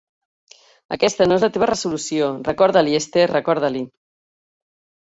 Aquesta no és la teva resolució, recorda-li, Esther, recorda-li!